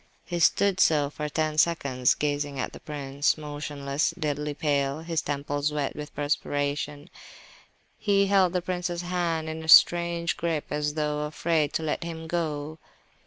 He stood so for ten seconds, gazing at the prince, motionless, deadly pale, his temples wet with perspiration; he held the prince's hand in a strange grip, as though afraid to let him go.